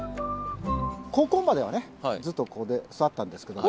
高校まではねずっとここで育ったんですけど。